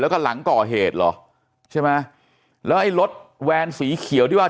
แล้วก็หลังก่อเหตุเหรอใช่ไหมแล้วไอ้รถแวนสีเขียวที่ว่า